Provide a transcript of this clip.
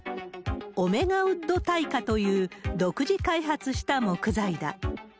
オメガウッド耐火という、独自開発した木材だ。